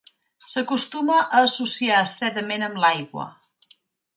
S'acostuma a associar estretament amb l'aigua.